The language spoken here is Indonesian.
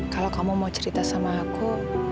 kalau kamu mau cerita sama aku